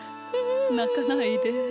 なかないで。